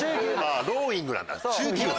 ローイングなんだ！